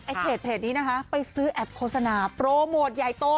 เพจนี้นะคะไปซื้อแอปโฆษณาโปรโมทใหญ่โต